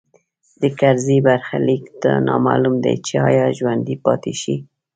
د کرزي برخلیک نامعلوم دی چې ایا ژوندی به پاتې شي